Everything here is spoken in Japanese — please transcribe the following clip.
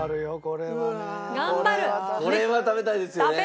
これは食べたいですよね。